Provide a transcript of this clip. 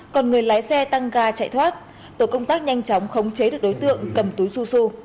còn người lái xe tăng ga chạy thoát tổ công tác nhanh chóng khống chế được đối tượng cầm túi su su